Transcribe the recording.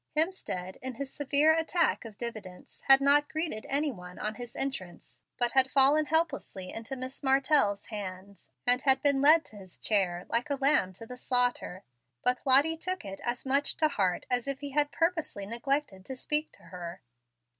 Hemstead, in his severe attack of diffidence, had not greeted any. one on his entrance, but had fallen helplessly into Miss Kartell's hands, and had been led to his chair like a lamb to the slaughter. But Lottie took it as much to heart as if he had purposely neglected to speak to her.